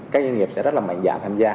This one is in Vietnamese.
các doanh nghiệp sẽ rất là mạnh dạng tham gia